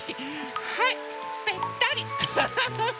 はいべったり。